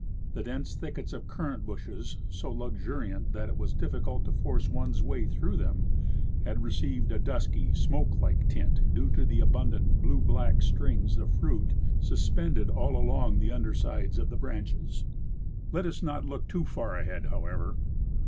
The dense thickets of currant bushes, so luxuriant that it Avas difficult to force one's way through them, had received a dusky, smoke like tint, due to abundant blue black strings of fruit sus pended all along the. under sides of the branches. 116 /. C. Russell — Expedition to Mount St. Elias. Let us not look too far ahead, however.